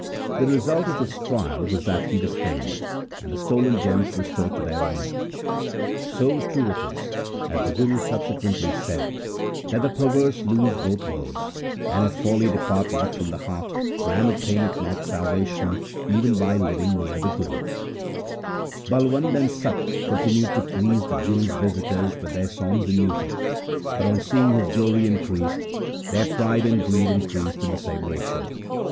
The result of his trial was that he was hanged, and the stolen gems restored to their owner. ' So true is it,' as the Guru subsequently said, ' that the perverse lose both worlds, and, if folly depart not from the heart, man obtaineth not salvation even by living near the Guru.' Balwand and Satta continued to please the Guru's visitors with their songs and music ; but on seeing his glory increase, their pride and greed increased in the same ratio.